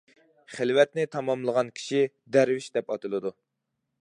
خىلۋەتنى تاماملىغان كىشى «دەرۋىش» دەپ ئاتىلىدۇ.